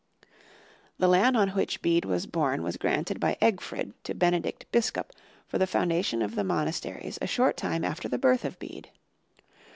The land on which Bede was born was granted by Egfrid to Benedict Biscop for the foundation of the monasteries a short time after the birth of Bede.